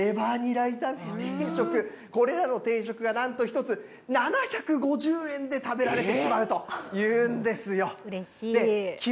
麻婆豆腐定食でしょ、レバニラ炒め定食、これらの定食がなんと１つ７５０円で食べられてしまうとうれしい。